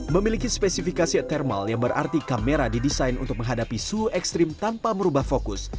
memiliki spesifikasi adhermal yang berarti kamera didesain untuk menghadapi suhu ekstrim tanpa merubah fokus